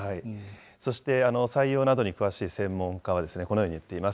そして採用などに詳しい専門家は、このように言っています。